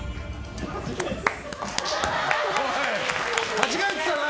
間違えてたな？